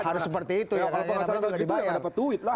harus seperti itu ya kalau pengacara begitu ya gak dapat duit lah